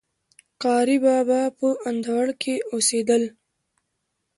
قاري بابا په اندړو کي اوسيدل